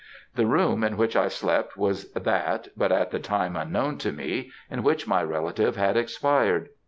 The room in which I slept was that (but at the time unknown to me) in which my relative had expired.